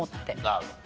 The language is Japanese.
なるほど。